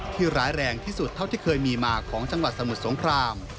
ร้ายแรงที่สุดเท่าที่เคยมีมาของจังหวัดสมุทรสงคราม